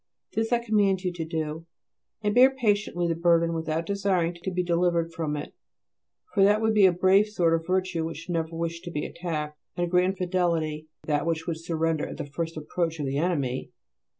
This I command you to do. And bear patiently the burden without desiring to be delivered from it; for that would be a brave sort of virtue which never wished to be attacked, and a grand fidelity that which would surrender at the first approach of the enemy!